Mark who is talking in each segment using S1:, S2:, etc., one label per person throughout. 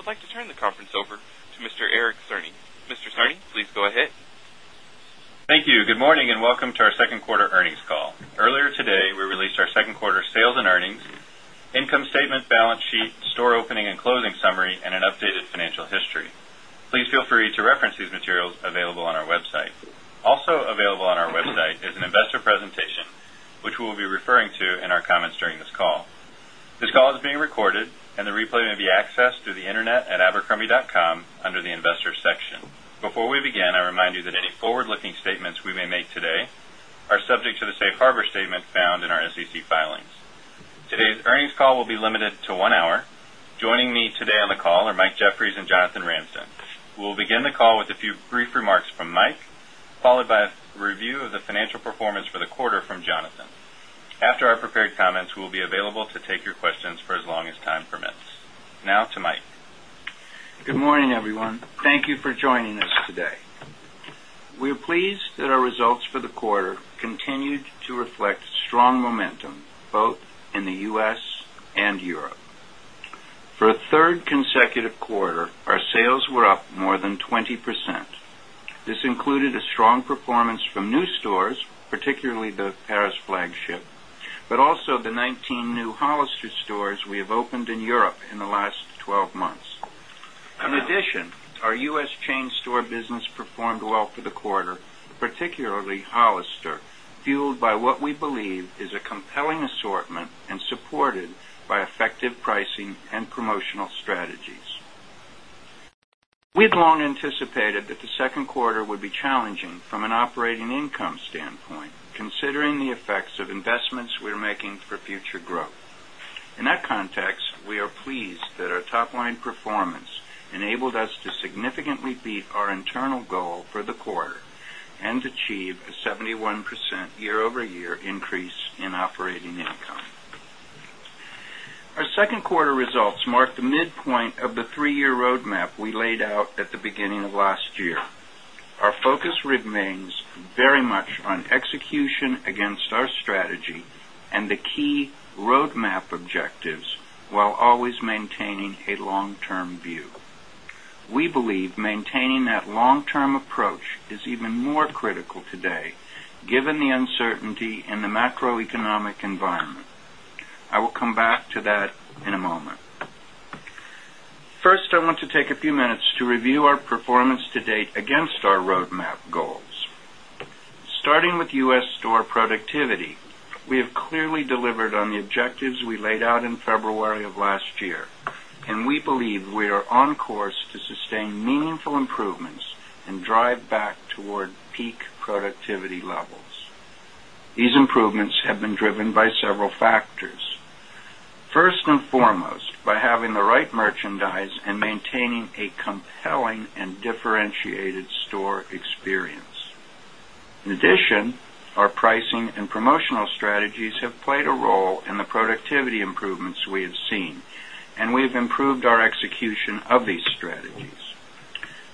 S1: We ask that you limit yourself to one question during the question-and-answer session. At this time, I would like to turn the conference over to Mr. Eric Cerny. Mr. Cerny, please go ahead.
S2: Thank you. Good morning and welcome to our second quarter earnings call. Earlier today, we released our second quarter sales and earnings, income statement, balance sheet, store opening and closing summary, and an updated financial history. Please feel free to reference these materials available on our website. Also available on our website is an investor presentation, which we will be referring to in our comments during this call. This call is being recorded, and the replay may be accessed through the internet at abercrombie.com under the investors section. Before we begin, I remind you that any forward-looking statements we may make today are subject to the safe harbor statement found in our SEC filings. Today's earnings call will be limited to one hour. Joining me today on the call are Mike Jeffries and Jonathan Ramsden. We'll begin the call with a few brief remarks from Mike, followed by a review of the financial performance for the quarter from Jonathan. After our prepared comments, we'll be available to take your questions for as long as time permits. Now to Mike.
S3: Good morning, everyone. Thank you for joining us today. We are pleased that our results for the quarter continued to reflect strong momentum both in the U.S. and Europe. For a third consecutive quarter, our sales were up more than 20%. This included a strong performance from new stores, particularly the Paris flagship, but also the 19 new Hollister stores we have opened in Europe in the last 12 months. In addition, our U.S. chain store business performed well for the quarter, particularly Hollister, fueled by what we believe is a compelling assortment and supported by effective pricing and promotional strategies. We had long anticipated that the second quarter would be challenging from an operating income standpoint, considering the effects of investments we are making for future growth. In that context, we are pleased that our top-line performance enabled us to significantly beat our internal goal for the quarter and achieve a 71% year-over-year increase in operating income. Our second quarter results marked the midpoint of the three-year roadmap we laid out at the beginning of last year. Our focus remains very much on execution against our strategy and the key roadmap objectives while always maintaining a long-term view. We believe maintaining that long-term approach is even more critical today given the uncertainty in the macroeconomic environment. I will come back to that in a moment. First, I want to take a few minutes to review our performance to date against our roadmap goals. Starting with U.S. store productivity, we have clearly delivered on the objectives we laid out in February of last year, and we believe we are on course to sustain meaningful improvements and drive back toward peak productivity levels. These improvements have been driven by several factors. First and foremost, by having the right merchandise and maintaining a compelling and differentiated store experience. In addition, our pricing and promotional strategies have played a role in the productivity improvements we have seen, and we have improved our execution of these strategies.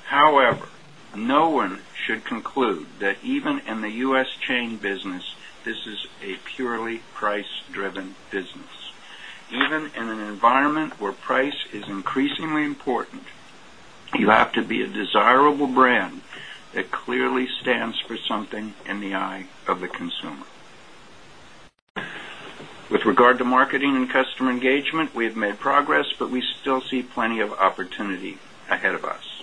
S3: However, no one should conclude that even in the U.S. chain business, this is a purely price-driven business. Even in an environment where price is increasingly important, you have to be a desirable brand that clearly stands for something in the eye of the consumer. With regard to marketing and customer engagement, we have made progress, but we still see plenty of opportunity ahead of us.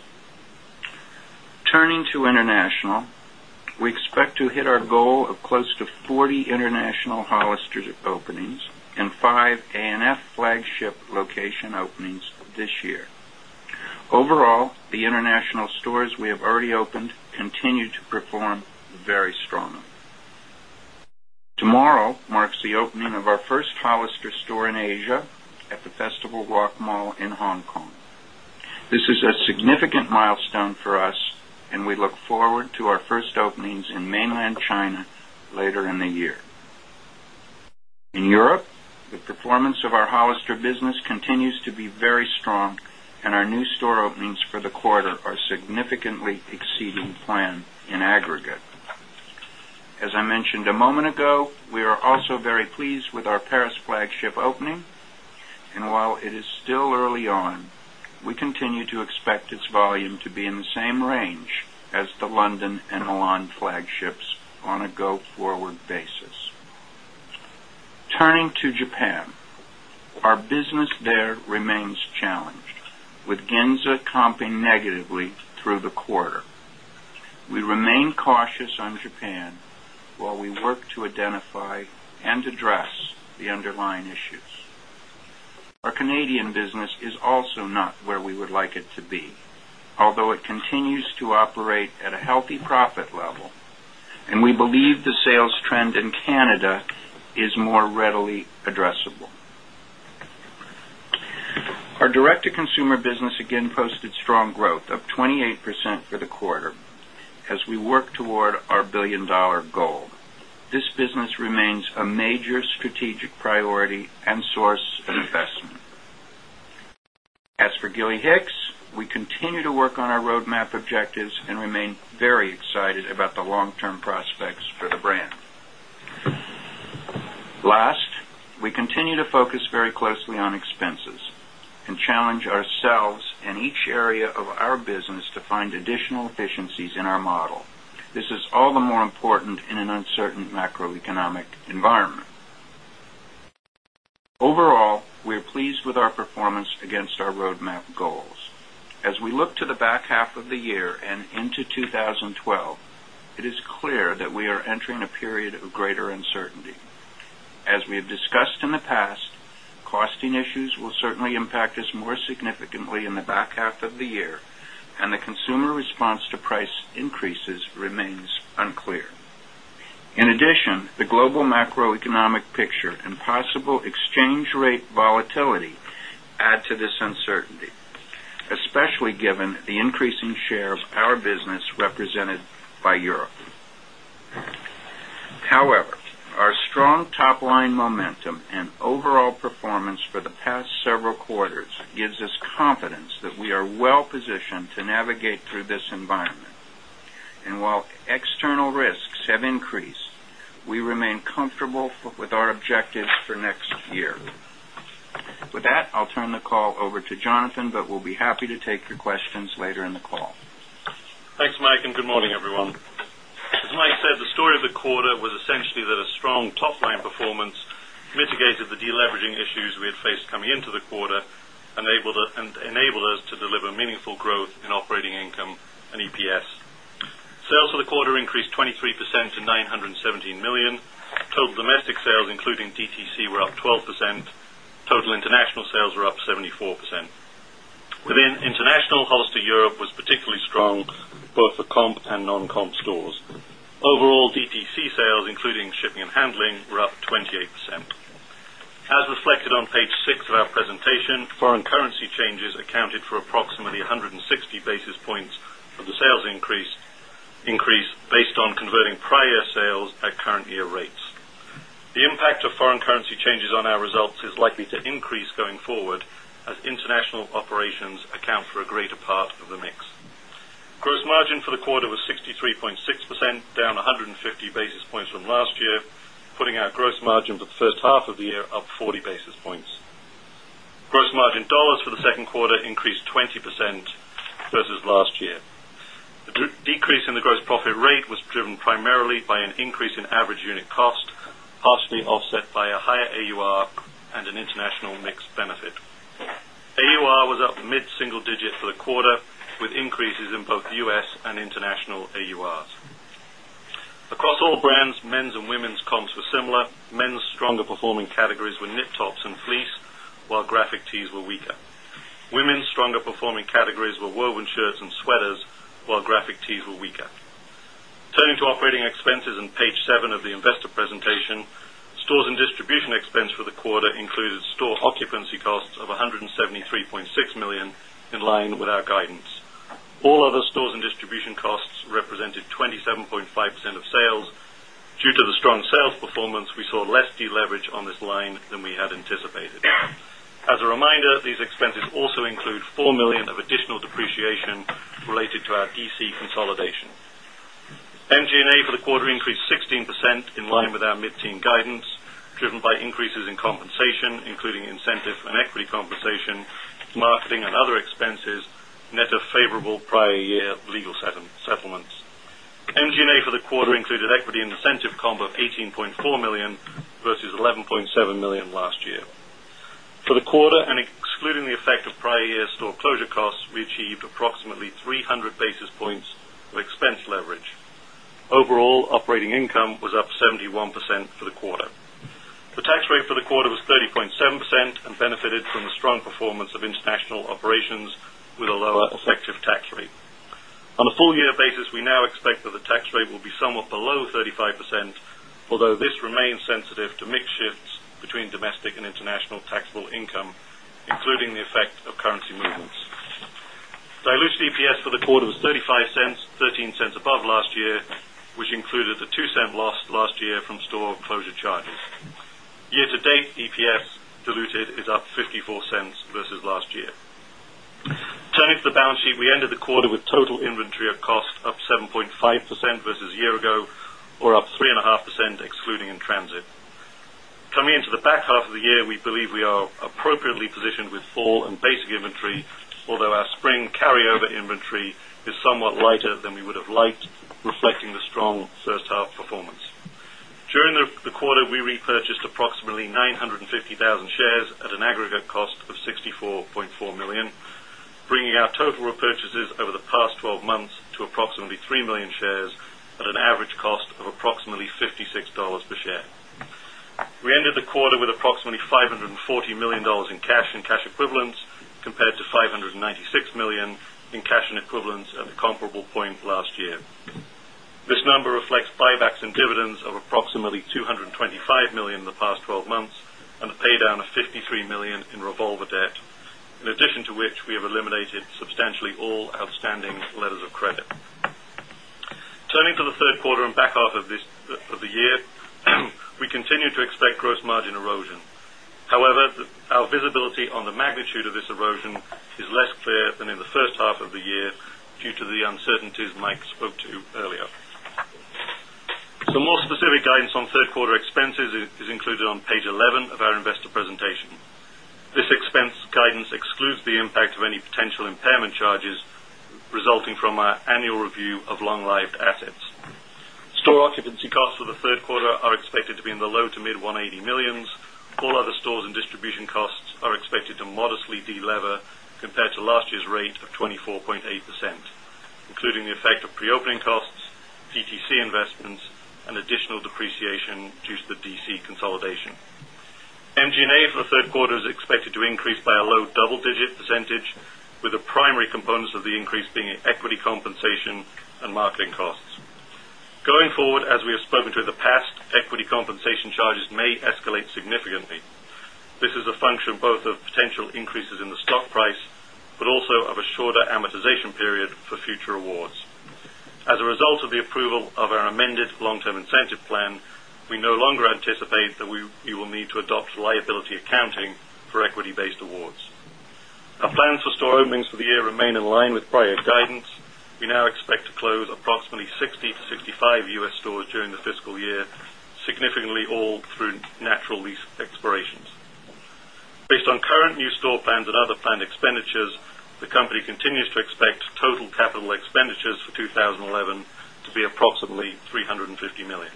S3: Turning to international, we expect to hit our goal of close to 40 international Hollister openings and five Abercrombie & Fitch flagship location openings this year. Overall, the international stores we have already opened continue to perform very strongly. Tomorrow marks the opening of our first Hollister store in Asia at the Festival Walk Mall in Hong Kong. This is a significant milestone for us, and we look forward to our first openings in mainland China later in the year. In Europe, the performance of our Hollister business continues to be very strong, and our new store openings for the quarter are significantly exceeding plan in aggregate. As I mentioned a moment ago, we are also very pleased with our Paris flagship opening, and while it is still early on, we continue to expect its volume to be in the same range as the London and Milan flagships on a go-forward basis. Turning to Japan, our business there remains challenged, with Ginza comping negatively through the quarter. We remain cautious on Japan while we work to identify and address the underlying issues. Our Canadian business is also not where we would like it to be, although it continues to operate at a healthy profit level, and we believe the sales trend in Canada is more readily addressable. Our direct-to-consumer segment again posted strong growth of 28% for the quarter as we work toward our billion-dollar goal. This business remains a major strategic priority and source of investment. As for Gilly Hicks, we continue to work on our strategic roadmap objectives and remain very excited about the long-term prospects for the brand. Last, we continue to focus very closely on expenses and challenge ourselves in each area of our business to find additional efficiencies in our model. This is all the more important in an uncertain macroeconomic environment. Overall, we are pleased with our performance against our strategic roadmap goals. As we look to the back half of the year and into 2012, it is clear that we are entering a period of greater uncertainty. As we have discussed in the past, costing issues will certainly impact us more significantly in the back half of the year, and the consumer response to price increases remains unclear. In addition, the global macroeconomic picture and possible exchange rate volatility add to this uncertainty, especially given the increasing share of our business represented by Europe. However, our strong top-line momentum and overall performance for the past several quarters give us confidence that we are well positioned to navigate through this environment. While external risks have increased, we remain comfortable with our objective for next year. With that, I'll turn the call over to Jonathan, but we'll be happy to take your questions later in the call.
S4: Thanks, Mike, and good morning, everyone. As Mike said, the story of the quarter was essentially that a strong top-line performance mitigated the deleveraging issues we had faced coming into the quarter and enabled us to deliver meaningful growth in operating income and EPS. Sales for the quarter increased 23% to $917 million. Total domestic sales, including DTC, were up 12%. Total international sales were up 74%. Within international, Hollister. Europe was particularly strong, both for comp and non-comp stores. Overall, DTC sales, including shipping and handling, were up 28%. As reflected on page six of our presentation, foreign currency changes accounted for approximately 160 basis points of the sales increase based on converting prior sales at current year rates. The impact of foreign currency changes on our results is likely to increase going forward as international operations account for a greater part of the mix. Gross margin for the quarter was 63.6%, down 150 basis points from last year, putting our gross margin for the first half of the year up 40 basis points. Gross margin dollars for the second quarter increased 20% versus last year. The decrease in the gross profit rate was driven primarily by an increase in average unit cost, partially offset by a higher AUR and an international mix benefit. AUR was up mid-single digit for the quarter, with increases in both U.S. and international AURs. Across all brands, men's and women's comps were similar. Men's stronger performing categories were knit tops and fleece, while graphic tees were weaker. Women's stronger performing categories were woven shirts and sweaters, while graphic tees were weaker. Turning to operating expenses and page seven of the investor presentation, stores and distribution expense for the quarter included store occupancy costs of $173.6 million in line with our guidance. All other stores and distribution costs represented 27.5% of sales. Due to the strong sales performance, we saw less deleverage on this line than we had anticipated. As a reminder, these expenses also include $4 million of additional depreciation related to our DC consolidation. MG&A for the quarter increased 16% in line with our mid-season guidance, driven by increases in compensation, including incentive and equity compensation, marketing, and other expenses, net of favorable prior year legal settlements. MG&A for the quarter included equity and incentive comp of $18.4 million versus $11.7 million last year. For the quarter, and excluding the effect of prior year store closure costs, we achieved approximately 300 basis points of expense leverage. Overall, operating income was up 71% for the quarter. The tax rate for the quarter was 30.7% and benefited from the strong performance of international operations with a lower effective tax rate. On a full-year basis, we now expect that the tax rate will be somewhat below 35%, although this remains sensitive to mix shifts between domestic and international taxable income, including the effect of currency movements. Diluted EPS for the quarter was $0.35, $0.13 above last year, which included the $0.02 loss last year from store closure charges. Year-to-date EPS diluted is up $0.54 versus last year. Turning to the balance sheet, we ended the quarter with total inventory at cost up 7.5% versus a year ago, or up 3.5% excluding in transit. Coming into the back half of the year, we believe we are appropriately positioned with fall and basic inventory, although our spring carryover inventory is somewhat lighter than we would have liked, reflecting the strong first half performance. During the quarter, we repurchased approximately 950,000 shares at an aggregate cost of $64.4 million, bringing our total repurchases over the past 12 months to approximately 3 million shares at an average cost of approximately $56 per share. We ended the quarter with approximately $540 million in cash and cash equivalents, compared to $596 million in cash and equivalents at the comparable point last year. This number reflects buybacks and dividends of approximately $225 million in the past 12 months and a paydown of $53 million in revolver debt, in addition to which we have eliminated substantially all outstanding letters of credit. Turning to the third quarter and back half of the year, we continue to expect gross margin erosion. However, our visibility on the magnitude of this erosion is less clear than in the first half of the year due to the uncertainties Mike spoke to earlier. Some more specific guidance on third quarter expenses is included on page 11 of our investor presentation. This expense guidance excludes the impact of any potential impairment charges resulting from our annual review of long-lived assets. Store occupancy costs for the third quarter are expected to be in the low to mid-$180 million. All other stores and distribution costs are expected to modestly delever compared to last year's rate of 24.8%, including the effect of pre-opening costs, DTC investments, and additional depreciation due to the DC consolidation. MG&A for the third quarter is expected to increase by a low double-digit %, with the primary components of the increase being equity compensation and marketing costs. Going forward, as we have spoken to in the past, equity compensation charges may escalate significantly. This is a function both of potential increases in the stock price, but also of a shorter amortization period for future awards. As a result of the approval of our amended long-term incentive plan, we no longer anticipate that you will need to adopt liability accounting for equity-based awards. Our plans for store openings for the year remain in line with prior guidance. We now expect to close approximately 60-65 U.S. stores during the fiscal year, significantly all through natural lease expirations. Based on current new store plans and other planned expenditures, the company continues to expect total capital expenditures for 2011 to be approximately $350 million.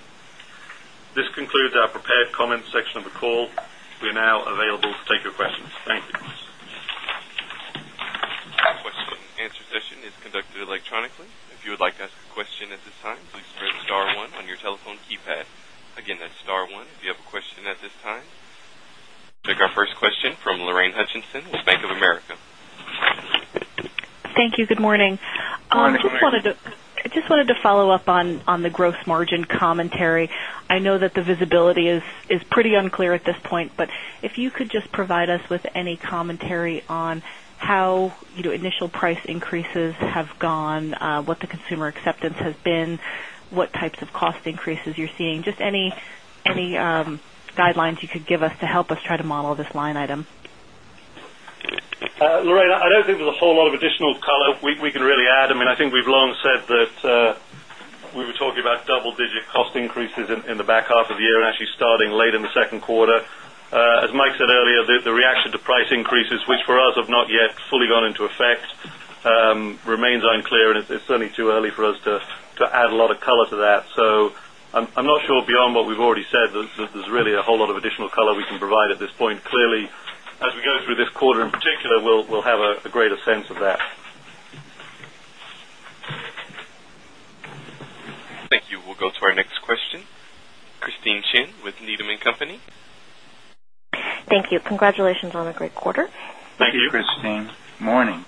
S4: This concludes our prepared comments section of the call. We are now available to take your questions. Thank you.
S1: Question-and-answer session is conducted electronically. If you would like to ask a question at this time, please press star one on your telephone keypad. Again, that's star one if you have a question at this time. Take our first question from Lorraine Hutchinson with Bank of America.
S5: Thank you. Good morning.
S3: Good morning, Lorraine.
S5: I just wanted to follow up on the gross margin commentary. I know that the visibility is pretty unclear at this point, but if you could just provide us with any commentary on how, you know, initial price increases have gone, what the consumer acceptance has been, what types of cost increases you're seeing, just any guidelines you could give us to help us try to model this line item.
S4: Lorraine, I don't think there's a whole lot of additional color we can really add. I mean, I think we've long said that we were talking about double-digit cost increases in the back half of the year and actually starting late in the second quarter. As Mike said earlier, the reaction to price increases, which for us have not yet fully gone into effect, remains unclear, and it's certainly too early for us to add a lot of color to that. I'm not sure beyond what we've already said that there's really a whole lot of additional color we can provide at this point. Clearly, as we go through this quarter in particular, we'll have a greater sense of that.
S1: Thank you. We'll go to our next question. Christine Chen with Needham & Company.
S6: Thank you. Congratulations on a great quarter.
S3: Thanks, Christine. Morning.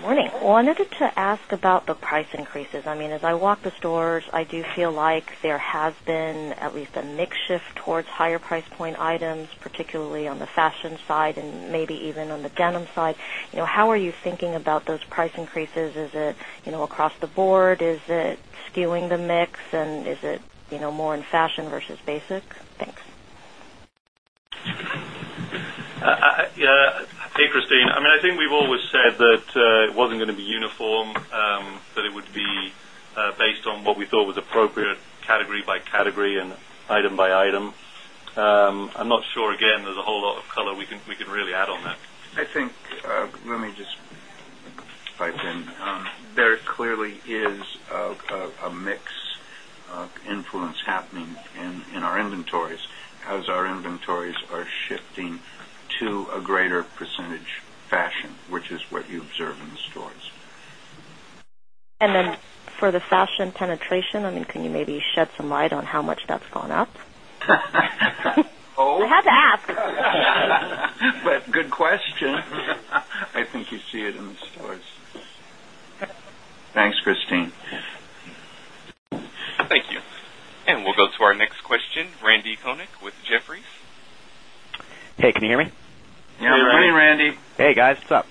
S6: Morning. Wanted to ask about the price increases. I mean, as I walk the stores, I do feel like there has been at least a mix shift towards higher price point items, particularly on the fashion side and maybe even on the denim side. How are you thinking about those price increases? Is it across the board? Is it skewing the mix? Is it more in fashion versus basic? Thanks.
S4: Yeah. Hey, Christine. I think we've always said that it was not going to be uniform, that it would be based on what we thought was appropriate category by category and item by item. I'm not sure there's a whole lot of color we can really add on that.
S3: I think, let me just pipe in. There clearly is a mix influence happening in our inventories, as our inventories are shifting to a greater percentage fashion, which is what you observe in the stores.
S6: For the fashion penetration, can you maybe shed some light on how much that's gone up?
S4: Oh.
S6: I had to ask.
S3: Good question. I think you see it in the stores. Thanks, Christine.
S1: Thank you. We'll go to our next question, Randal Konik with Jefferies.
S7: Hey, can you hear me?
S3: Yeah, we're hearing you, Randy.
S7: Hey, guys. What's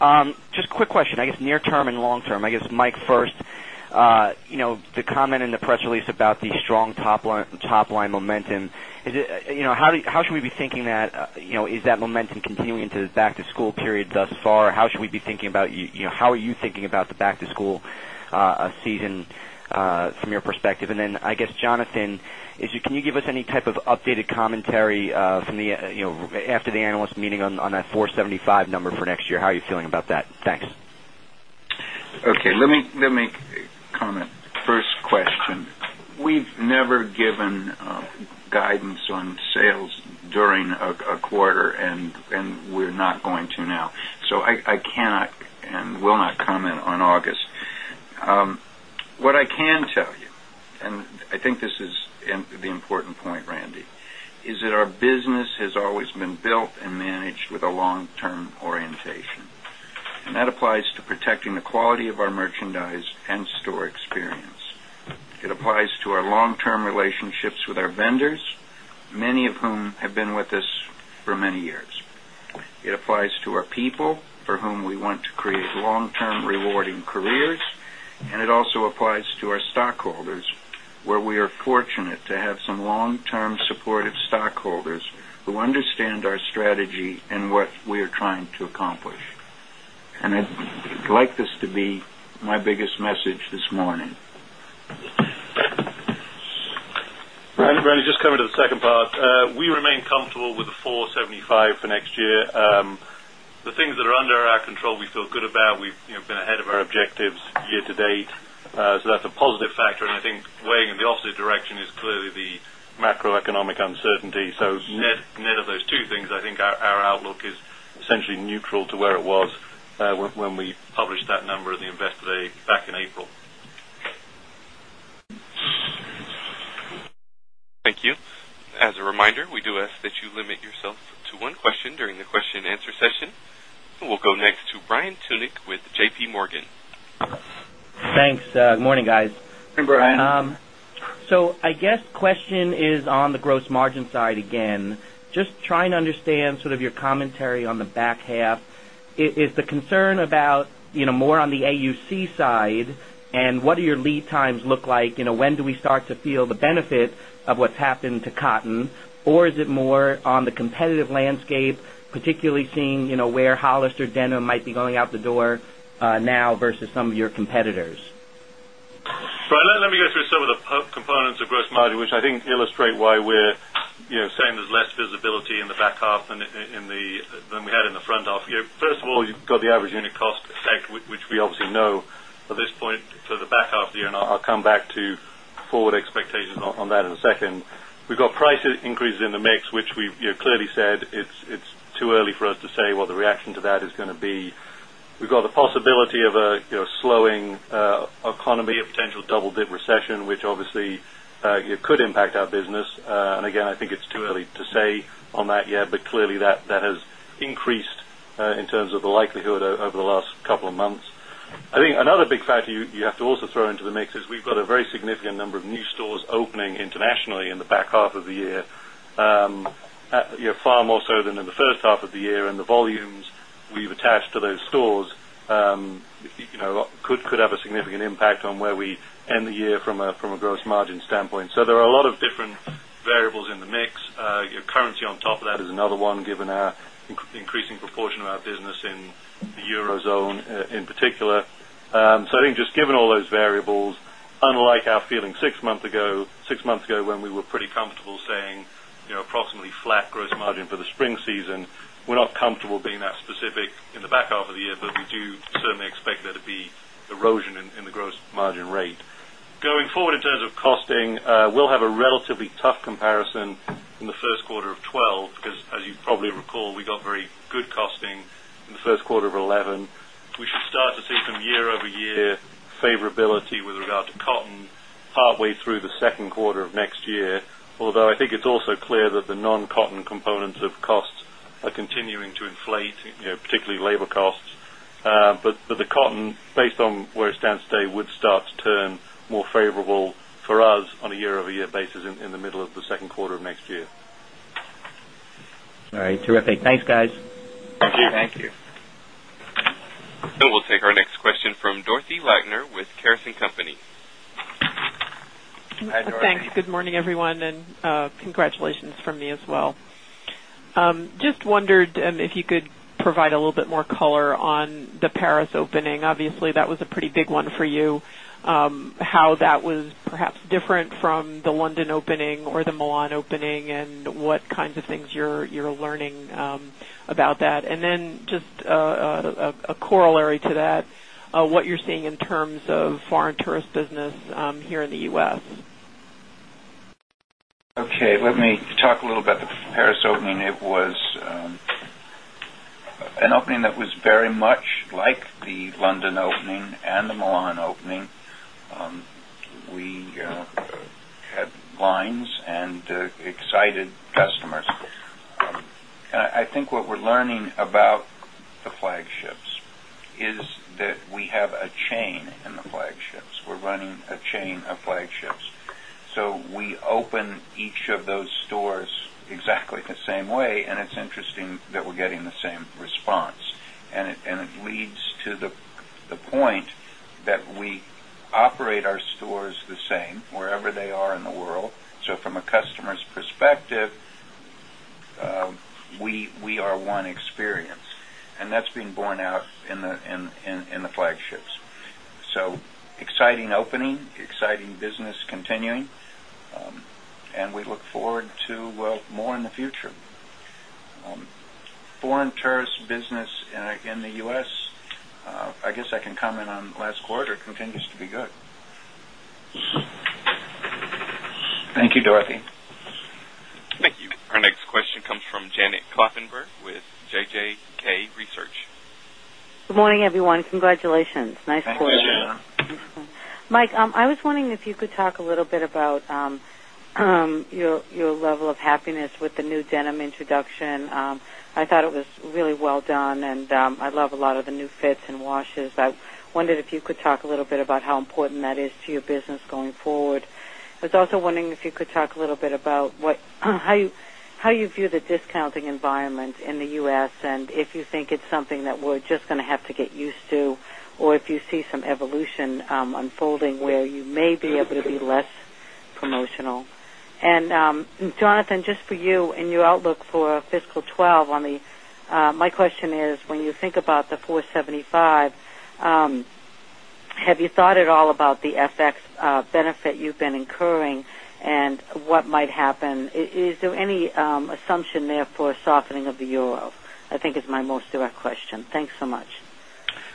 S7: up? Just a quick question. I guess near term and long term, I guess Mike first. The comment in the press release about the strong top-line momentum, is it, how should we be thinking that, is that momentum continuing into the back-to-school period thus far? How should we be thinking about, how are you thinking about the back-to-school season from your perspective? I guess, Jonathan, can you give us any type of updated commentary from the, after the analyst meeting on that $475 million number for next year? How are you feeling about that? Thanks.
S3: Okay. Let me comment. First question. We've never given guidance on sales during a quarter, and we're not going to now. I cannot and will not comment on August. What I can tell you, and I think this is the important point, Randy, is that our business has always been built and managed with a long-term orientation. That applies to protecting the quality of our merchandise and store experience. It applies to our long-term relationships with our vendors, many of whom have been with us for many years. It applies to our people for whom we want to create long-term rewarding careers. It also applies to our stockholders, where we are fortunate to have some long-term supportive stockholders who understand our strategy and what we are trying to accomplish. I'd like this to be my biggest message this morning.
S4: Randy, just coming to the second part. We remain comfortable with the $475 million for next year. The things that are under our control, we feel good about. We've been ahead of our objectives year to date, so that's a positive factor. I think weighing in the opposite direction is clearly the macroeconomic uncertainty. Net of those two things, I think our outlook is essentially neutral to where it was when we published that number at the Investor Day back in April.
S1: Thank you. As a reminder, we do ask that you limit yourself to one question during the question-and-answer session. We'll go next to Brian Tunick with JPMorgan.
S8: Thanks. Good morning, guys.
S4: Hey, Brian.
S8: I guess the question is on the gross margin side again. Just trying to understand sort of your commentary on the back half. Is the concern about, you know, more on the average unit cost side and what do your lead times look like? You know, when do we start to feel the benefit of what's happened to cotton? Or is it more on the competitive landscape, particularly seeing, you know, where Hollister denim might be going out the door now versus some of your competitors?
S4: Let me go through some of the components of gross margin, which I think illustrate why we're saying there's less visibility in the back half than we had in the front half. First of all, you've got the average unit cost effect, which we obviously know at this point for the back half of the year. I'll come back to forward expectations on that in a second. We've got price increases in the mix, which we've clearly said it's too early for us to say what the reaction to that is going to be. We've got the possibility of a slowing economy, a potential double-dip recession, which obviously could impact our business. I think it's too early to say on that yet, but clearly that has increased in terms of the likelihood over the last couple of months. I think another big factor you have to also throw into the mix is we've got a very significant number of new stores opening internationally in the back half of the year, far more so than in the first half of the year. The volumes we've attached to those stores could have a significant impact on where we end the year from a gross margin standpoint. There are a lot of different variables in the mix. Currency on top of that is another one, given our increasing proportion of our business in the eurozone in particular. Just given all those variables, unlike our feeling six months ago when we were pretty comfortable saying approximately flat gross margin for the spring season, we're not comfortable being that specific in the back half of the year, but we do certainly expect there to be erosion in the gross margin rate. Going forward in terms of costing, we'll have a relatively tough comparison in the first quarter of 2012 because, as you probably recall, we got very good costing in the first quarter of 2011. We should start to see from year-over-year favorability with regard to cotton halfway through the second quarter of next year, although I think it's also clear that the non-cotton components of costs are continuing to inflate, particularly labor costs. The cotton, based on where it stands today, would start to turn more favorable for us on a year-over-year basis in the middle of the second quarter of next year.
S8: All right. Terrific. Thanks, guys.
S4: Thank you.
S3: Thank you.
S1: We will take our next question from Dorothy Lackner with Caris & Company.
S9: Thanks. Good morning, everyone, and congratulations from me as well. Just wondered if you could provide a little bit more color on the Paris opening. Obviously, that was a pretty big one for you. How that was perhaps different from the London opening or the Milan opening, and what kinds of things you're learning about that. Just a corollary to that, what you're seeing in terms of foreign tourist business here in the U.S.
S3: Okay. Let me talk a little about the Paris opening. It was an opening that was very much like the London opening and the Milan opening. We had lines and excited customers. I think what we're learning about the flagship is that we have a chain in the flagships. We're running a chain of flagships. We open each of those stores exactly the same way, and it's interesting that we're getting the same response. It leads to the point that we operate our stores the same wherever they are in the world. From a customer's perspective, we are one experience, and that's being borne out in the flagships. Exciting opening, exciting business continuing, and we look forward to more in the future. Foreign tourist business in the U.S., I guess I can comment on last quarter, continues to be good. Thank you, Dorothy.
S1: Thank you. Our next question comes from Janet Kloppenburg with JJK Research.
S10: Good morning, everyone. Congratulations. Nice. Mike, I was wondering if you could talk a little bit about your level of happiness with the new denim introduction. I thought it was really well done, and I love a lot of the new fits and washes. I wondered if you could talk a little bit about how important that is to your business going forward. I was also wondering if you could talk a little bit about how you view the discounting environment in the U.S. and if you think it's something that we're just going to have to get used to or if you see some evolution unfolding where you may be able to be less promotional. Jonathan, just for you and your outlook for fiscal 2012, my question is, when you think about the $475 million, have you thought at all about the FX benefit you've been incurring and what might happen? Is there any assumption there for a softening of the euro? I think is my most direct question. Thanks so much.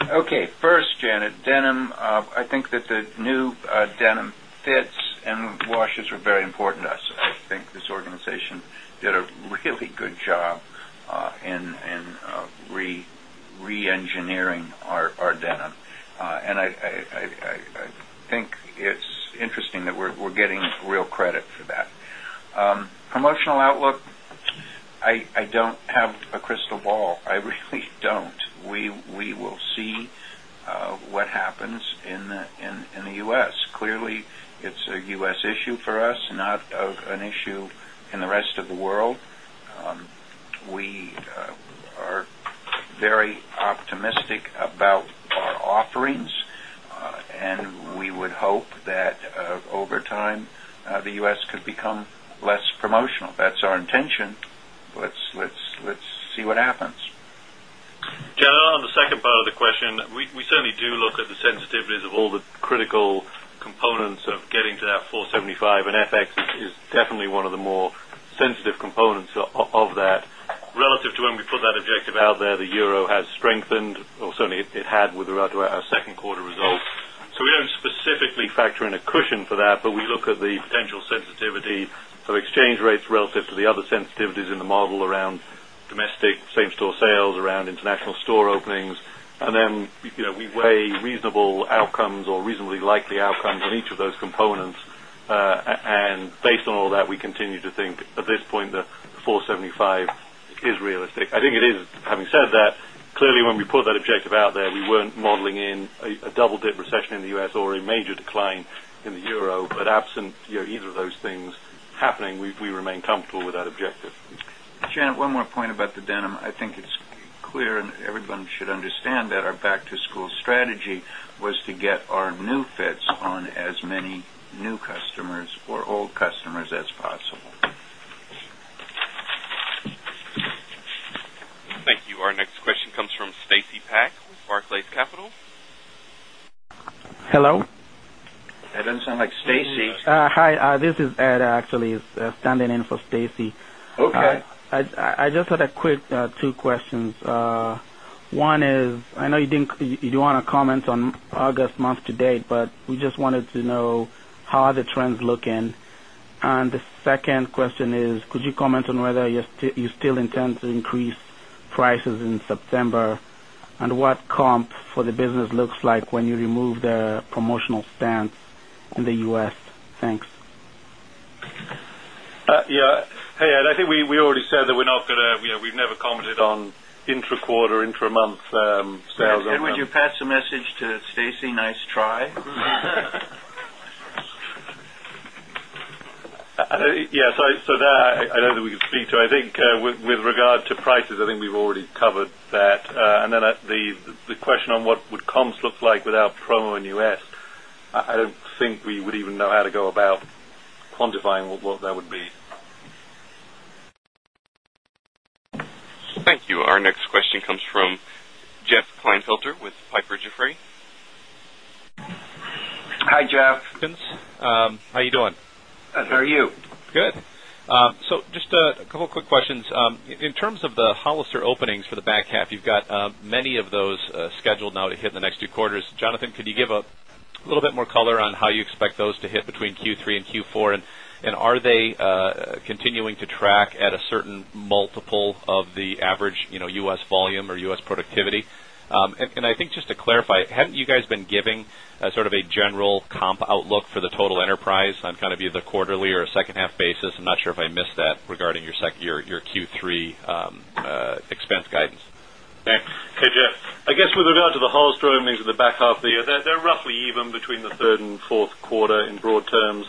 S3: Okay. First, Janet, denim, I think that the new denim fits and washes were very important to us. I think this organization did a really good job in re-engineering our denim. I think it's interesting that we're getting real credit for that. Promotional outlook, I don't have a crystal ball. I really don't. We will see what happens in the U.S. Clearly, it's a U.S. issue for us and not an issue in the rest of the world. We are very optimistic about our offerings, and we would hope that over time, the U.S. could become less promotional. That's our intention. Let's see what happens.
S4: Janet, on the second part of the question, we certainly do look at the sensitivities of all the critical components of getting to that $475 million, and FX is definitely one of the more sensitive components of that. Relative to when we put that objective out there, the euro has strengthened, or certainly it had with regard to our second quarter result. We do not specifically factor in a cushion for that, but we look at the potential sensitivity of exchange rates relative to the other sensitivities in the model around domestic same-store sales, around international store openings. We weigh reasonable outcomes or reasonably likely outcomes on each of those components. Based on all that, we continue to think at this point the $475 million is realistic. I think it is. Having said that, clearly when we put that objective out there, we were not modeling in a double-dip recession in the U.S. or a major decline in the euro. Absent either of those things happening, we remain comfortable with that objective.
S3: Janet, one more point about the denim. I think it's clear, and everyone should understand that our back-to-school strategy was to get our new fits on as many new customers or old customers as possible.
S1: Thank you. Our next question comes from Stacy Pak with Barclays Capital.
S11: Hello?
S3: It doesn't sound like Stacy.
S11: Hi, this is Ed, actually, standing in for Stacy.
S3: Okay.
S7: I just had a quick two questions. One is, I know you didn't, you want to comment on August month to date, but we just wanted to know how are the trends looking? The second question is, could you comment on whether you still intend to increase prices in September and what comp for the business looks like when you remove the promotional stance in the U.S.? Thanks.
S4: Yeah. Hey, Ed, I think we already said that we're not going to, you know, we've never commented on intra-quarter, intra-month sales overall.
S3: Can we just pass a message to Stacy? Nice try.
S4: I think with regard to prices, I think we've already covered that. The question on what would comps look like without promo in the U.S., I don't think we would even know how to go about quantifying what that would be.
S1: Thank you. Our next question comes from Jeff Klinefelter with Piper Jaffray.
S12: Hi, Jeff. How are you doing?
S3: Good. How are you?
S12: Good. Just a couple of quick questions. In terms of the Hollister openings for the back half, you've got many of those scheduled now to hit in the next two quarters. Jonathan, could you give a little bit more color on how you expect those to hit between Q3 and Q4? Are they continuing to track at a certain multiple of the average, you know, U.S. volume or U.S. productivity? I think just to clarify, hadn't you guys been giving a sort of a general comp outlook for the total enterprise on kind of either quarterly or a second-half basis? I'm not sure if I missed that regarding your Q3 expense guidance.
S4: Thanks. Hey, Jeff. I guess with regard to the Hollister openings in the back half of the year, they're roughly even between the third and fourth quarter in broad terms.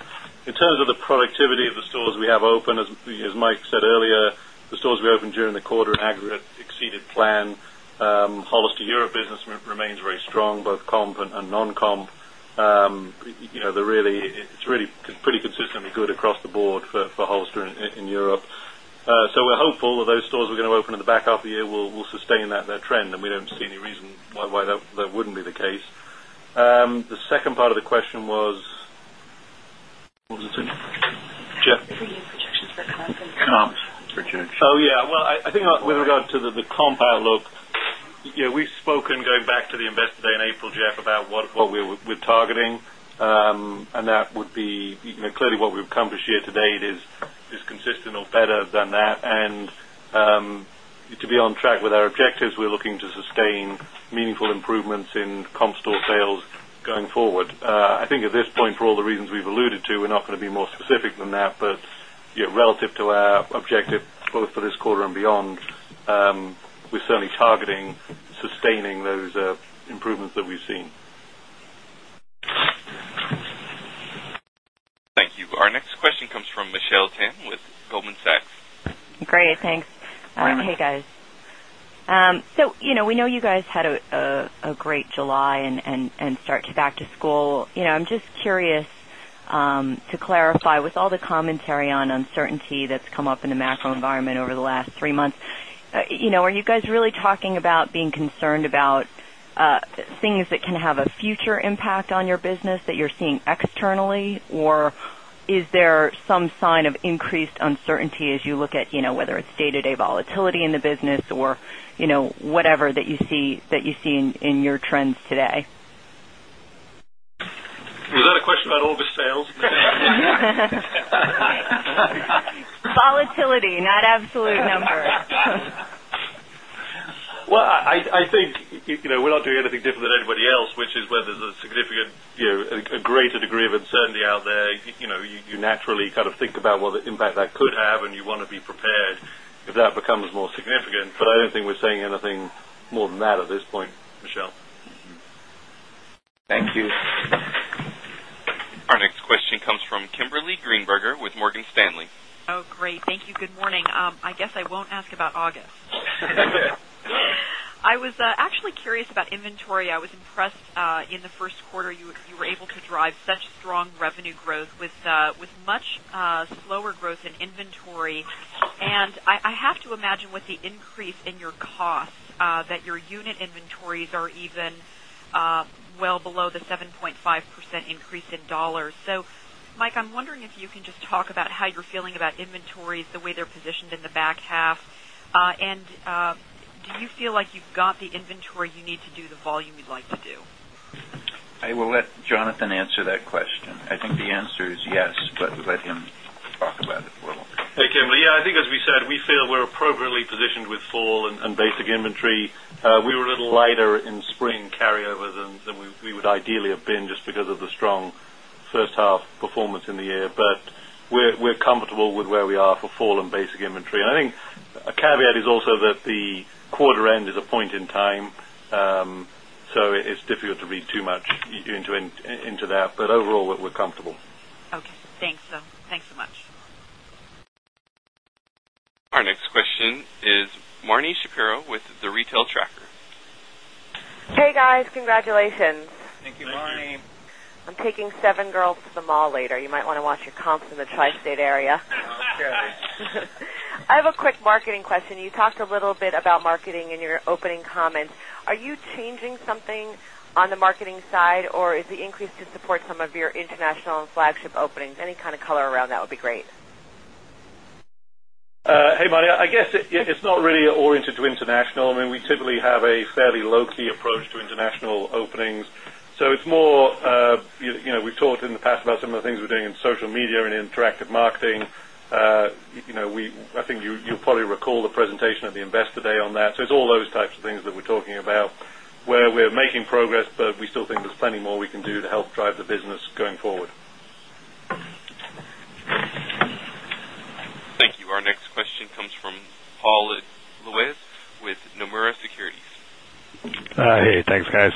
S4: In terms of the productivity of the stores we have open, as Mike said earlier, the stores we opened during the quarter in aggregate exceeded plan. Hollister Europe business remains very strong, both comp and non-comp. It's really pretty consistently good across the board for Hollister in Europe. We are hopeful that those stores we are going to open in the back half of the year will sustain that trend, and we don't see any reason why that wouldn't be the case. The second part of the question was, what was it? Oh, yeah. I think with regard to the comp outlook, you know, we've spoken going back to the Investor Day in April, Jeff, about what we're targeting. That would be, you know, clearly what we've accomplished year to date is consistent or better than that. To be on track with our objectives, we're looking to sustain meaningful improvements in comp store sales going forward. I think at this point, for all the reasons we've alluded to, we're not going to be more specific than that. Relative to our objective, both for this quarter and beyond, we're certainly targeting sustaining those improvements that we've seen.
S1: Thank you. Our next question comes from Michelle Lim with Goldman Sachs.
S13: Great. Thanks.
S4: Morning.
S13: Hi, guys. We know you guys had a great July and start to back to school. I'm just curious to clarify, with all the commentary on uncertainty that's come up in the macro environment over the last three months, are you guys really talking about being concerned about things that can have a future impact on your business that you're seeing externally? Is there some sign of increased uncertainty as you look at whether it's day-to-day volatility in the business or whatever that you see in your trends today?
S4: Is that a question about all the sales?
S13: Volatility, not absolute number.
S4: I think, you know, we're not doing anything different than anybody else, which is whether there's a significant, you know, a greater degree of uncertainty out there. You naturally kind of think about what the impact that could have, and you want to be prepared if that becomes more significant. I don't think we're saying anything more than that at this point, Michelle.
S1: Thank you. Our next question comes from Kimberly Greenberger with Morgan Stanley.
S14: Oh, great. Thank you. Good morning. I guess I won't ask about August.
S4: Hey, there.
S14: I was actually curious about inventory. I was impressed in the first quarter you were able to drive such strong revenue growth with much slower growth in inventory. I have to imagine with the increase in your costs that your unit inventories are even well below the 7.5% increase in dollars. Mike, I'm wondering if you can just talk about how you're feeling about inventories, the way they're positioned in the back half. Do you feel like you've got the inventory you need to do the volume you'd like to do?
S3: I will let Jonathan answer that question. I think the answer is yes, but let him talk about it for a little.
S4: Hey, Kimberly. Yeah, I think as we said, we feel we're appropriately positioned with fall and basic inventory. We were a little lighter in spring carryover than we would ideally have been just because of the strong first-half performance in the year. We're comfortable with where we are for fall and basic inventory. A caveat is also that the quarter end is a point in time. It's difficult to read too much into that. Overall, we're comfortable.
S14: Okay, thanks so much.
S1: Our next question is Marni Shapiro with The Retail Tracker.
S15: Hey, guys. Congratulations.
S3: Thank you, Marni.
S15: I'm taking seven girls to the mall later. You might want to watch your comps in the tri-state area.
S3: Good.
S15: I have a quick marketing question. You talked a little bit about marketing in your opening comments. Are you changing something on the marketing side, or is the increase to support some of your international and flagship openings? Any kind of color around that would be great.
S4: Hey, Marni. I guess it's not really oriented to international. I mean, we typically have a fairly low-key approach to international openings. It's more, you know, we've talked in the past about some of the things we're doing in social media and interactive marketing. I think you'll probably recall the presentation at the Investor Day on that. It's all those types of things that we're talking about where we're making progress, but we still think there's plenty more we can do to help drive the business going forward.
S1: Thank you. Our next question comes from Paul Lejuez with Nomura Securities.
S16: Hey, thanks, guys.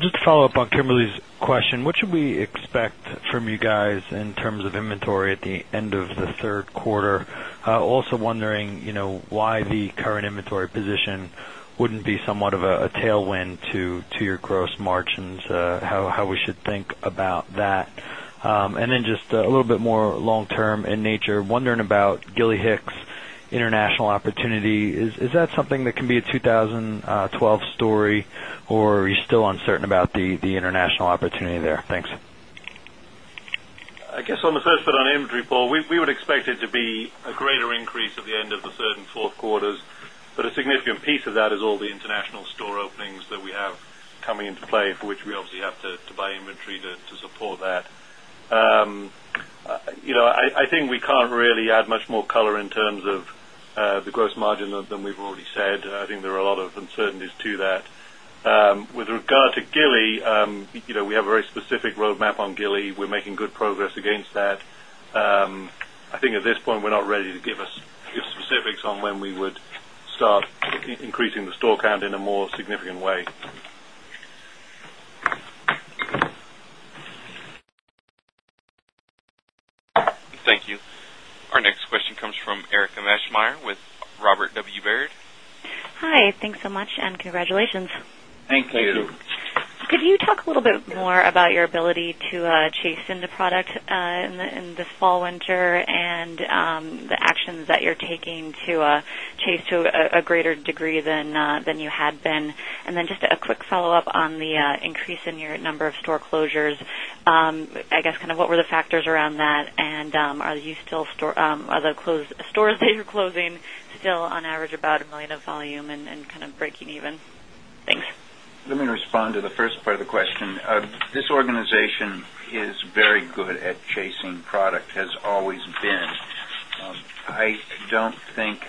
S16: Just to follow up on Kimberly's question, what should we expect from you guys in terms of inventory at the end of the third quarter? Also wondering why the current inventory position wouldn't be somewhat of a tailwind to your gross margins, how we should think about that. Just a little bit more long-term in nature, wondering about Gilly Hicks' international opportunity. Is that something that can be a 2012 story, or are you still uncertain about the international opportunity there? Thanks.
S4: I guess on the first foot on inventory, Paul, we would expect it to be a greater increase at the end of the third and fourth quarters. A significant piece of that is all the international store openings that we have coming into play, for which we obviously have to buy inventory to support that. I think we can't really add much more color in terms of the gross margin than we've already said. I think there are a lot of uncertainties to that. With regard to Gilly Hicks, we have a very specific roadmap on Gilly Hicks. We're making good progress against that. At this point, we're not ready to give specifics on when we would start increasing the store count in a more significant way.
S1: Thank you. Our next question comes from Erica Maschmeyer with Robert W. Baird.
S17: Hi, thanks so much and congratulations.
S3: Thank you.
S17: Could you talk a little bit more about your ability to chase into product in the fall, winter, and the actions that you're taking to chase to a greater degree than you had been? Just a quick follow-up on the increase in your number of store closures. What were the factors around that? Are the stores that you're closing still on average about $1 million of volume and kind of breaking even? Thanks.
S3: Let me respond to the first part of the question. This organization is very good at chasing product, has always been. I don't think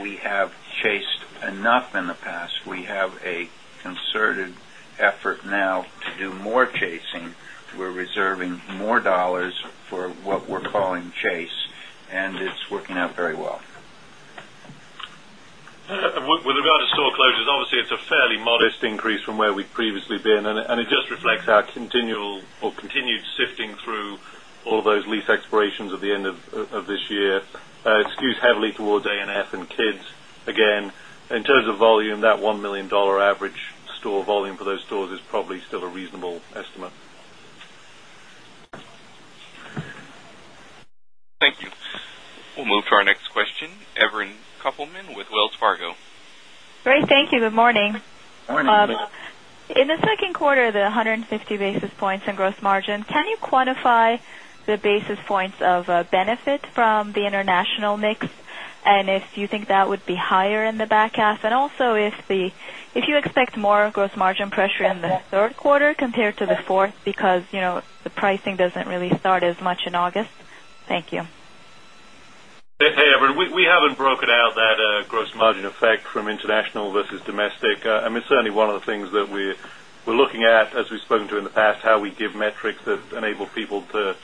S3: we have chased enough in the past. We have a concerted effort now to do more chasing. We're reserving more dollars for what we're calling chase, and it's working out very well.
S4: With regard to store closures, obviously, it's a fairly modest increase from where we've previously been, and it just reflects our continual or continued sifting through all those lease expirations at the end of this year. It's skewed heavily towards Abercrombie & Fitch and kids again. In terms of volume, that $1 million average store volume for those stores is probably still a reasonable estimate.
S1: Thank you. We'll move to our next question. Evren Kopelman with Wells Fargo.
S18: Great, thank you. Good morning.
S3: Morning, Bob.
S18: In the second quarter, the 150 basis points in gross margin, can you quantify the basis points of benefit from the international mix? If you think that would be higher in the back half, and also if you expect more gross margin pressure in the third quarter compared to the fourth because, you know, the pricing doesn't really start as much in August? Thank you.
S4: Hey, Evelyn. We haven't broken out that gross margin effect from international versus domestic. It's certainly one of the things that we're looking at, as we've spoken to in the past, how we give metrics that enable people to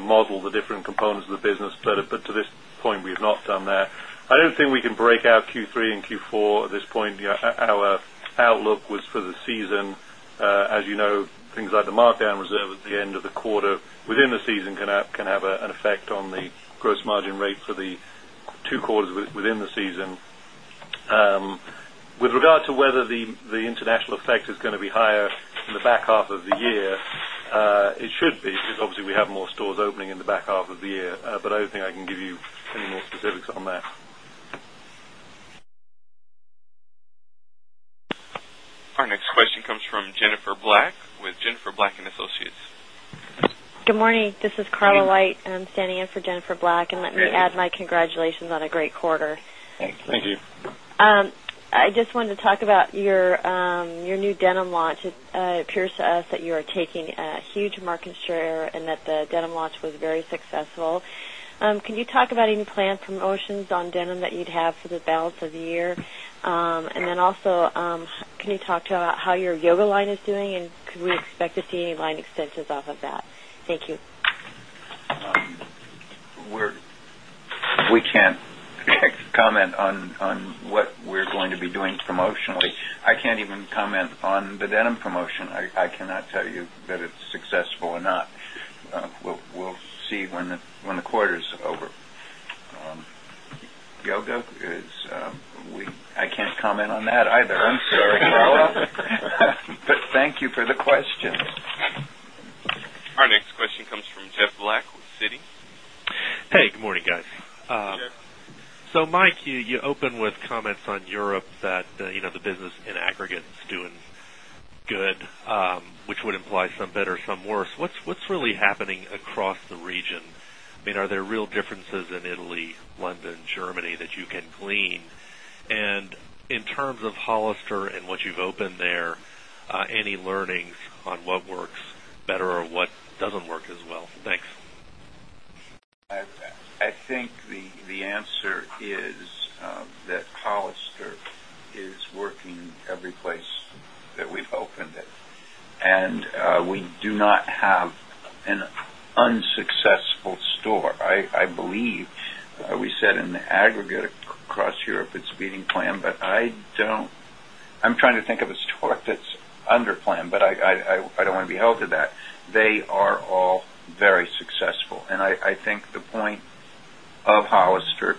S4: model the different components of the business. To this point, we have not done that. I don't think we can break out Q3 and Q4 at this point. Our outlook was for the season. As you know, things like the markdown reserve at the end of the quarter within the season can have an effect on the gross margin rate for the two quarters within the season. With regard to whether the international effect is going to be higher in the back half of the year, it should be. Obviously, we have more stores opening in the back half of the year. I don't think I can give you any more specifics on that.
S1: Our next question comes from Jennifer Black with Jennifer Black & Associates.
S19: Good morning. This is Carla White. I'm standing in for Jennifer Black, and let me add my congratulations on a great quarter.
S1: Thanks. Thank you.
S19: I just wanted to talk about your new denim launch. It appears to us that you are taking a huge market share and that the denim launch was very successful. Can you talk about any planned promotions on denim that you'd have for the balance of the year? Also, can you talk to how your yoga line is doing? Could we expect to see any line extensions off of that? Thank you.
S3: We can't comment on what we're going to be doing promotionally. I can't even comment on the denim promotion. I cannot tell you that it's successful or not. We'll see when the quarter's over. Yoga, I can't comment on that either. I'm sorry, Carla. Thank you for the questions.
S1: Our next question comes from Jeff Black with Citi.
S20: Hey, good morning, guys.
S1: Mike, you open with comments on Europe that, you know, the business in aggregate is doing good, which would imply some better, some worse. What's really happening across the region? I mean, are there real differences in Italy, London, Germany that you can glean? In terms of Hollister and what you've opened there, any learnings on what works better or what doesn't work as well? Thanks.
S3: I think the answer is that Hollister is working every place that we've opened at, and we do not have an unsuccessful store. I believe we said in aggregate across Europe it's beating plan. I'm trying to think of a store that's under plan, but I don't want to be held to that. They are all very successful. I think the point of Hollister.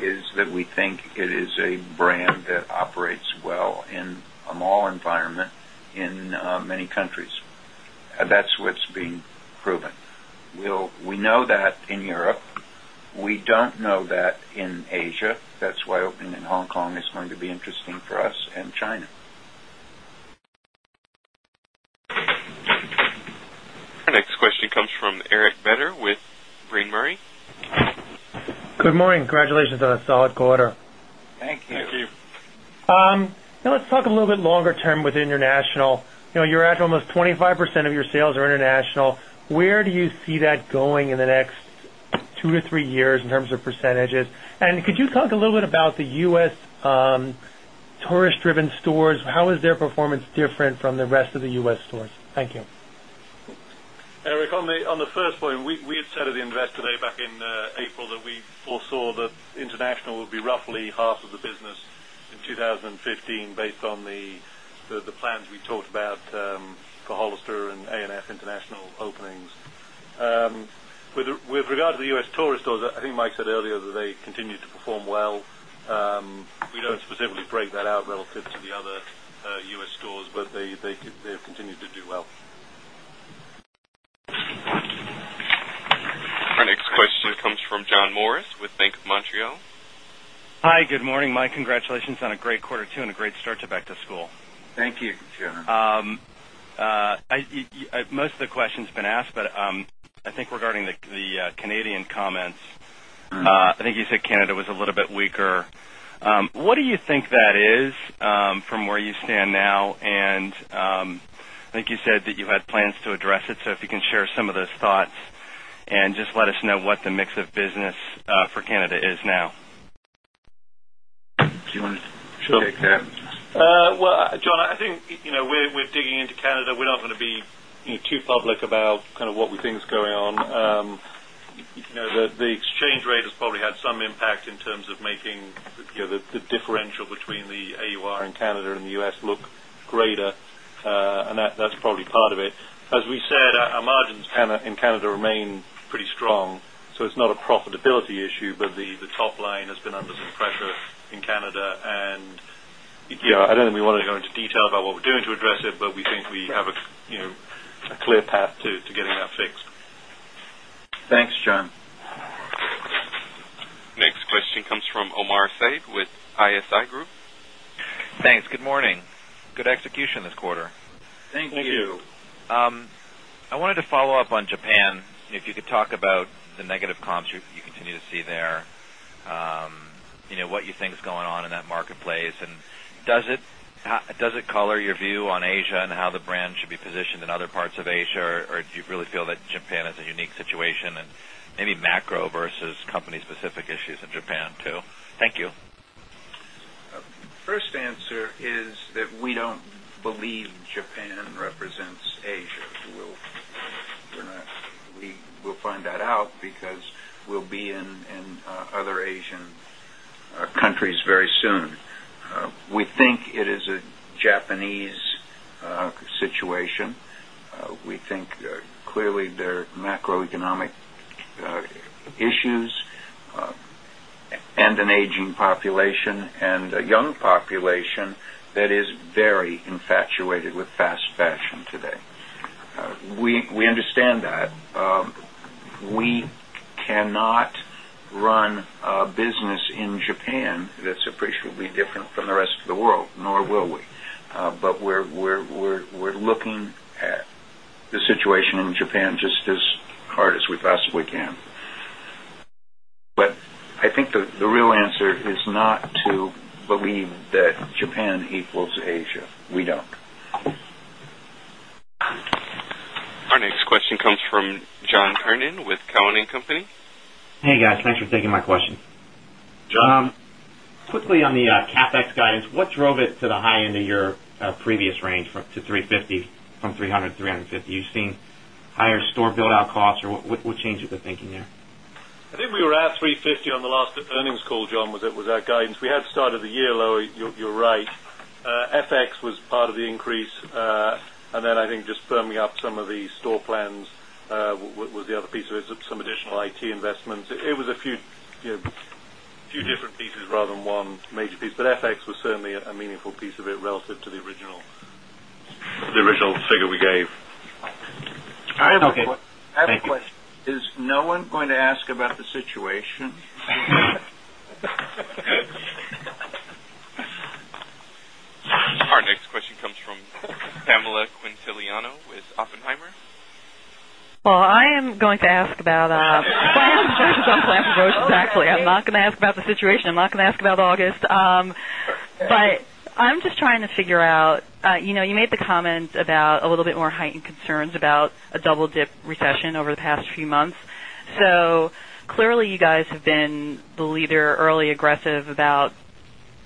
S3: is that we think it is a brand that operates well in a mall environment in many countries. That's what's been proven. We know that in Europe. We don't know that in Asia. That's why opening in Hong Kong is going to be interesting for us and mainland China.
S1: Our next question comes from Eric Beder with Brean Murray.
S21: Good morning. Congratulations on a solid quarter.
S3: Thank you.
S4: Thank you.
S21: Now let's talk a little bit longer term with international. You're at almost 25% of your sales are international. Where do you see that going in the next 2-3 years in terms of percentage? Could you talk a little bit about the U.S. tourist-driven stores? How is their performance different from the rest of the U.S. stores? Thank you.
S4: Eric, on the first point, we had said at the Investor Day back in April that we foresaw that international would be roughly half of the business in 2015 based on the plans we talked about for Hollister and Abercrombie & Fitch International openings. With regard to the U.S. tourist stores, I think Mike said earlier that they continue to perform well. We don't specifically break that out relative to the other U.S. stores, but they continue to do well.
S1: Our next question comes from John Morris with Bank of Montreal.
S22: Hi. Good morning, Mike. Congratulations on a great quarter two and a great start to back to school.
S3: Thank you, Mr. Jonathan.
S22: Most of the questions have been asked, but I think regarding the Canadian comments, I think you said Canada was a little bit weaker. What do you think that is from where you stand now? I think you said that you had plans to address it. If you can share some of those thoughts and just let us know what the mix of business for Canada is now.
S3: Do you want to take that?
S4: Sure. John, I think, you know, we're digging into Canada. We're not going to be too public about kind of what we think is going on. The exchange rate has probably had some impact in terms of making the differential between the AUR in Canada and the U.S. look greater, and that's probably part of it. As we said, our margins in Canada remain pretty strong. It's not a profitability issue, but the top line has been under some pressure in Canada. I don't think we want to go into detail about what we're doing to address it, but we think we have a clear path to getting that fixed.
S22: Thanks, John.
S1: Next question comes from Omar Saad with ISI Group.
S23: Thanks. Good morning. Good execution this quarter.
S3: Thank you.
S6: I wanted to follow up on Japan. If you could talk about the negative comps you continue to see there, what you think is going on in that marketplace. Does it color your view on Asia and how the brand should be positioned in other parts of Asia, or do you really feel that Japan is a unique situation and maybe macro versus company-specific issues in Japan too? Thank you.
S3: First answer is that we don't believe Japan represents Asia. We'll find that out because we'll be in other Asian countries very soon. We think it is a Japanese situation. We think clearly there are macroeconomic issues and an aging population and a young population that is very infatuated with fast fashion today. We understand that. We cannot run a business in Japan that's appreciably different from the rest of the world, nor will we. We are looking at the situation in Japan just as hard as we possibly can. I think the real answer is not to believe that Japan equals Asia. We don't.
S1: Our next question comes from John Kernan with Cowen & Company.
S24: Hey, guys. Thanks for taking my question.
S3: John.
S24: Quickly on the CapEx guidance, what drove it to the high end of your previous range to $350 million from $300 million to $350 million? You've seen higher store build-out costs, or what changed with the thinking there?
S4: I think we were at $350 million on the last earnings call, John, was our guidance. We had started the year low, you're right. FX was part of the increase. I think just firming up some of the store plans was the other piece of it, some additional IT investments. It was a few different pieces rather than one major piece. FX was certainly a meaningful piece of it relative to the original figure we gave.
S24: All right. Okay. Thank you.
S3: Is no one going to ask about the situation?
S1: Our next question comes from Pamela Quintiliano with Oppenheimer.
S25: I am going to ask about plans versus unplanned promotions, actually. I'm not going to ask about the situation. I'm not going to ask about August. I'm just trying to figure out, you know, you made the comment about a little bit more heightened concerns about a double-dip recession over the past few months. Clearly, you guys have been the leader, early aggressive about,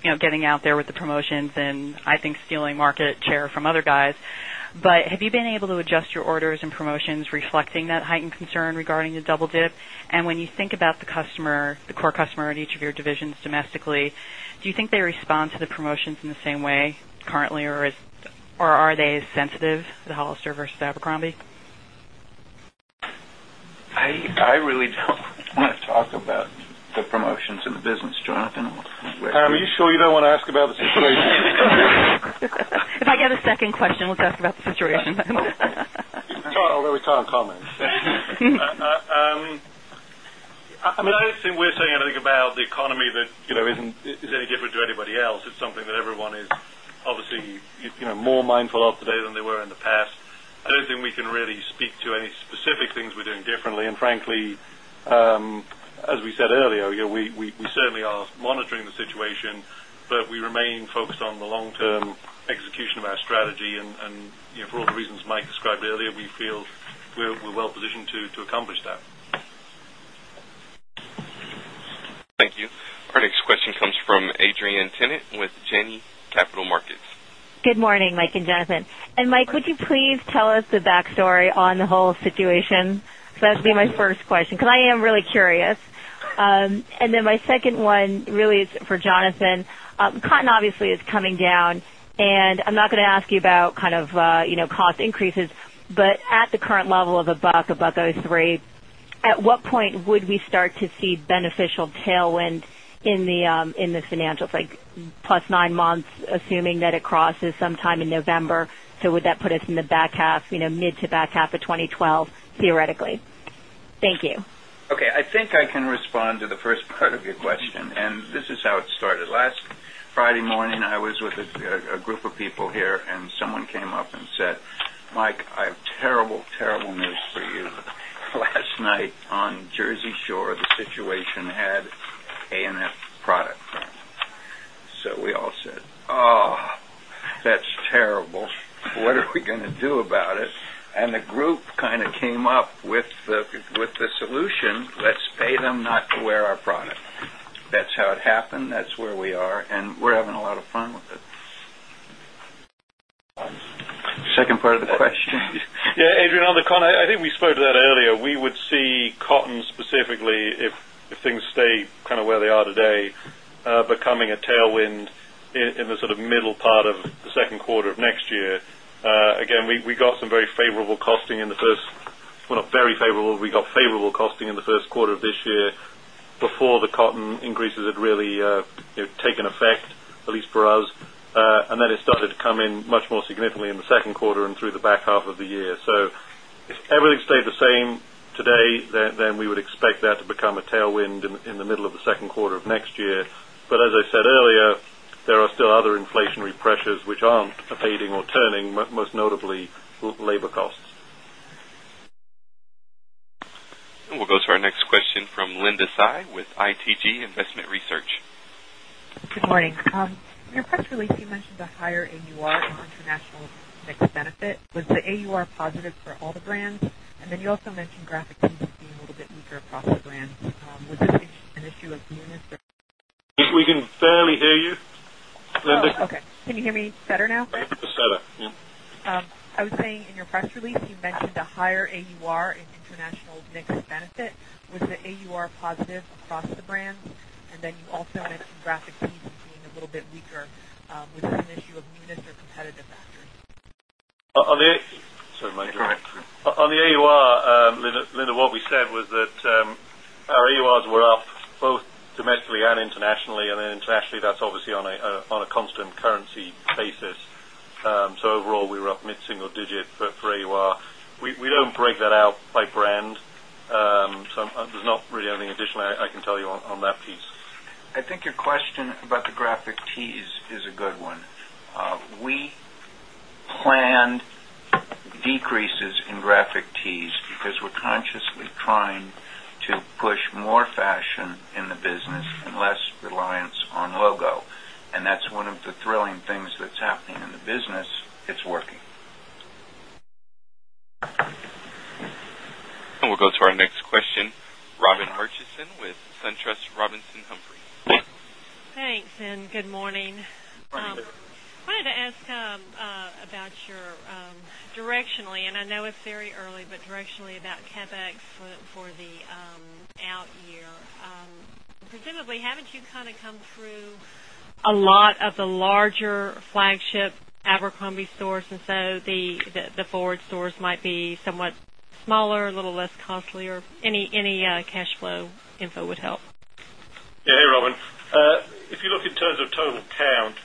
S25: you know, getting out there with the promotions and I think stealing market share from other guys. Have you been able to adjust your orders and promotions reflecting that heightened concern regarding the double dip? When you think about the customer, the core customer at each of your divisions domestically, do you think they respond to the promotions in the same way currently, or are they as sensitive to the Hollister versus Abercrombie & Fitch?
S3: I really don't want to talk about the promotions in the business, Jonathan.
S4: Are you sure you don't want to ask about the situation?
S25: If I get a second question, let's ask about the situation.
S4: Sorry, although we're trying to comment. I mean, I don't think we're saying anything about the economy that is any different to anybody else. It's something that everyone is obviously more mindful of today than they were in the past. I don't think we can really speak to any specific things we're doing differently. Frankly, as we said earlier, we certainly are monitoring the situation, but we remain focused on the long-term execution of our strategy. For all the reasons Mike described earlier, we feel we're well positioned to accomplish that.
S1: Thank you. Our next question comes from Adrienne Tennant with JANNEY Capital Markets.
S26: Good morning, Mike and Jonathan. Mike, could you please tell us the backstory on the whole situation? That would be my first question because I am really curious. My second one really is for Jonathan. Cotton obviously is coming down. I'm not going to ask you about, kind of, you know, cost increases. At the current level of $1.03, at what point would we start to see beneficial tailwind in the financials? Like plus nine months, assuming that it crosses sometime in November. Would that put us in the back half, you know, mid to back half of 2012, theoretically? Thank you.
S3: Okay. I think I can respond to the first part of your question. This is how it started. Last Friday morning, I was with a group of people here, and someone came up and said, "Mike, I have terrible, terrible news for you. Last night on Jersey Shore, the Situation had A&F products." We all said, "Oh, that's terrible. What are we going to do about it?" The group kind of came up with the solution. Let's pay them not to wear our product. That's how it happened. That's where we are, and we're having a lot of fun with it. Second part of the question.
S4: Yeah. Adrienne, on the cotton, I think we spoke to that earlier. We would see cotton specifically, if things stay kind of where they are today, becoming a tailwind in the sort of middle part of the second quarter of next year. We got some favorable costing in the first quarter of this year before the cotton increases had really taken effect, at least for us. It started to come in much more significantly in the second quarter and through the back half of the year. If everything stayed the same today, then we would expect that to become a tailwind in the middle of the second quarter of next year. As I said earlier, there are still other inflationary pressures which aren't fading or turning, most notably labor costs.
S1: We will go to our next question from Linda Tsai with ITG Investment Research.
S27: Good morning. In your press release, you mentioned a higher AUR on international benefit. Was the AUR positive for all the brands? You also mentioned graphic images being a little bit weaker across the brands. Was it an issue of newness?
S4: We can barely hear you.
S27: Okay. Can you hear me better now?
S4: I think it's better. Yeah.
S27: I was saying, in your press release, you mentioned a higher AUR in international mixed benefit. Was the AUR positive across the brands? You also mentioned graphic images.
S4: Sorry, Mike. On the AUR, Linda, what we said was that our AURs were up both domestically and internationally. Internationally, that's obviously on a constant currency basis. Overall, we were up mid-single digit for AUR. We don't break that out by brand, so there's not really anything additional I can tell you on that piece.
S3: I think your question about the graphic tees is a good one. We planned decreases in graphic tees because we're consciously trying to push more fashion in the business and less reliance on logo. That's one of the thrilling things that's happening in the business. It's working.
S1: We will go to our next question. Robin Murchison with SunTrust Robinson Humphrey.
S28: Thanks, and good morning.
S4: Morning, sir.
S5: I wanted to ask about your directionally, and I know it's very early, but directionally about CapEx for the out year. Presumably, haven't you kind of come through a lot of the larger flagship Abercrombie & Fitch stores? The forward stores might be somewhat smaller, a little less costly, or any cash flow info would help.
S4: Yeah. Hey, Robin. If you look in terms of total count,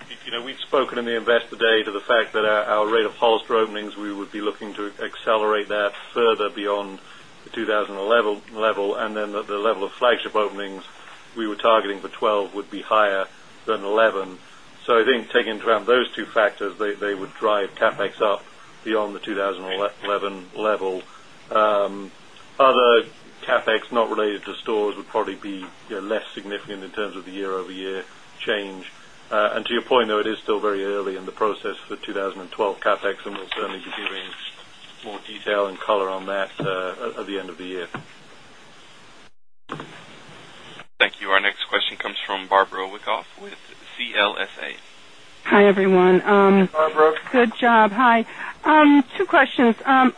S4: we've spoken in the Investor Day to the fact that our rate of Hollister openings, we would be looking to accelerate that further beyond the 2011 level. The level of flagship openings we were targeting for 2012 would be higher than 2011. I think taking into account those two factors, they would drive CapEx up beyond the 2011 level. Other CapEx not related to stores would probably be less significant in terms of the year-over-year change. To your point, though, it is still very early in the process for 2012 CapEx, and we'll certainly be giving more detail and color on that at the end of the year.
S1: Thank you. Our next question comes from Barbara Wyckoff with CLSA.
S29: Hi, everyone.
S4: Hey, Barbara.
S29: Good job. Hi. Two questions. Are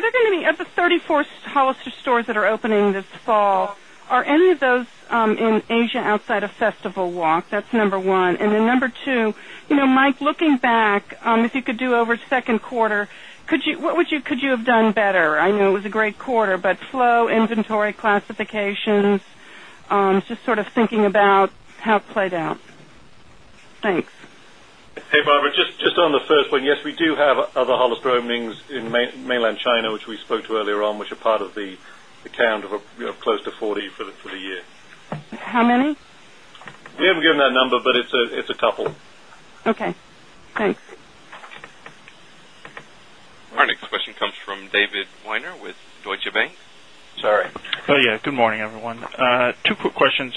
S29: there going to be, of the 34 Hollister stores that are opening this fall, are any of those in Asia outside of Festival Walk Mall? That's number one. Number two, you know, Mike, looking back, if you could do over the second quarter, what would you have done better? I know it was a great quarter, but flow, inventory classifications, just sort of thinking about how it played out. Thanks.
S4: Hey, Bob. Just on the first one, yes, we do have other Hollister openings in mainland China, which we spoke to earlier on, which are part of the count of close to 40 for the year.
S29: How many?
S4: Yeah, we're giving that number, but it's a couple.
S29: Okay. Thanks.
S1: Our next question comes from David Weiner with Deutsche Bank.
S3: Sorry.
S30: Oh, yeah. Good morning, everyone. Two quick questions.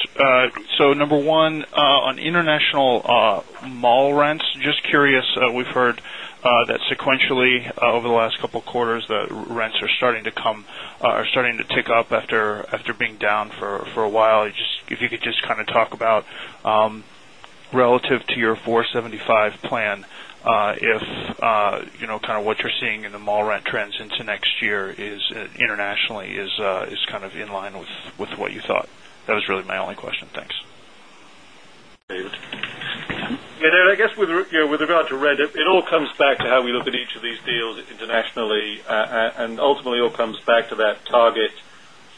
S30: Number one, on international mall rents, just curious, we've heard that sequentially over the last couple of quarters, the rents are starting to tick up after being down for a while. If you could just kind of talk about relative to your 475 plan, if you know kind of what you're seeing in the mall rent trends into next year internationally, is it kind of in line with what you thought? That was really my only question. Thanks.
S4: Yeah, I guess with regard to rent, it all comes back to how we look at each of these deals internationally. It all comes back to that target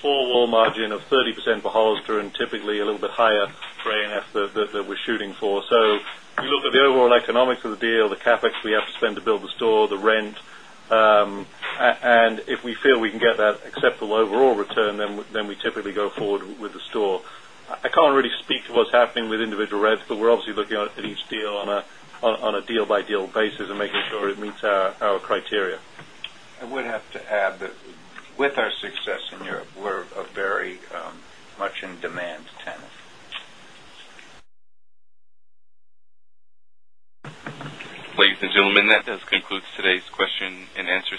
S4: four-wall margin of 30% for Hollister and typically a little bit higher for Abercrombie & Fitch that we're shooting for. We look at the overall economics of the deal, the CapEx we have to spend to build the store, the rent. If we feel we can get that acceptable overall return, we typically go forward with the store. I can't really speak to what's happening with individual rents, but we're obviously looking at each deal on a deal-by-deal basis and making sure it meets our criteria.
S3: I would have to add that with our success in Europe, we're a very much in-demand tenant.
S1: Ladies and gentlemen, that does conclude today's question-and-answer.